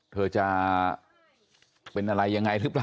เธอจะเป็นอะไรยังไงหรือเปล่า